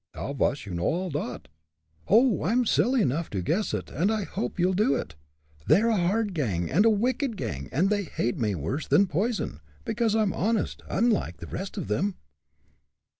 "How vos you know all dot?" "Oh, I'm silly enough to guess it, and I hope you'll do it. They're a hard gang, and a wicked gang, and they hate me worse than poison, because I'm honest, unlike the rest of them."